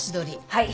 はい。